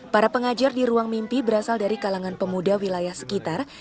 para pengajar di ruang mimpi berasal dari kalangan pemuda wilayah sekitar